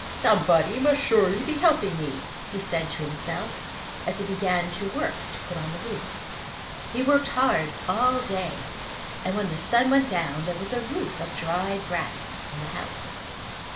"Somebody must surely be helping me," he said to himself as he began to work to put on the roof. He worked hard all day and when the sun went down, there was a roof of dried grass on the house.